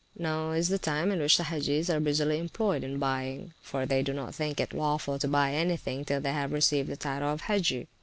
Now is the time in which the Hagges are busily employed in buying, for they do not think it lawful to buy any thing till they have received the title of Hagge.